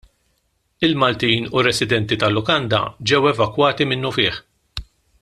Il-Maltin u r-residenti tal-lukanda ġew evakwati minnufih.